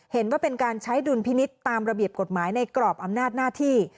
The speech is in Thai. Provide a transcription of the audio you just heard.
เห็นว่าเป็นการใช้ดุลพินิษฐ์ตามระเบียบกฎหมายในกรอบอำนาจหน้าที่